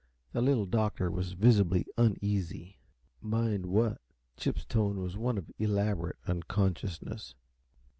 The Little Doctor was visibly uneasy. "Mind what?" Chip's tone was one of elaborate unconsciousness.